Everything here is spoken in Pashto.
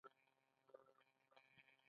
منتخبي کمېټې رابرټ بارکر ته ولیکل.